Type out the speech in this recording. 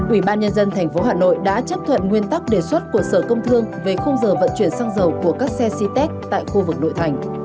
ủy ban nhân dân tp hcm đã chấp thuận nguyên tắc đề xuất của sở công thương về không giờ vận chuyển xăng dầu của các xe c tec tại khu vực nội thành